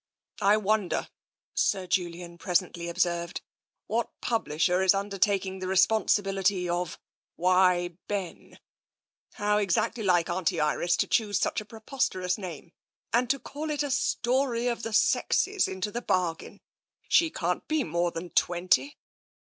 *' I wonder," Sir Julian presently observed, " what publisher is undertaking the responsibility of ' Why, Ben !' How exactly like Auntie Iris to choose such a preposterous name, and to call it * A Story of the Sexes * into the bargain ! She can't be more than twenty."